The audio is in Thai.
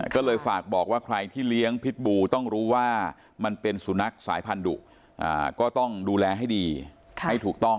ก็เลยฝากบอกว่าใครที่เลี้ยงพิษบูต้องรู้ว่ามันเป็นสุนัขสายพันธุ